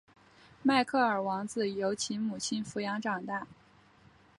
迈克尔王子由其母亲抚养长大。